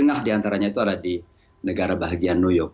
nah itu ada di negara bahagian new york